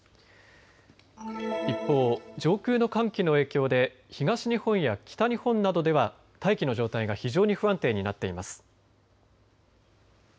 一方、上空の寒気の影響で東日本や北日本などでは大気の状態が非常に不安定になっています。